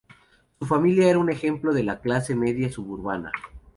Su familia era un ejemplo de la clase media suburbana.